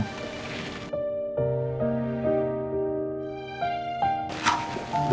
untuk ibu elsa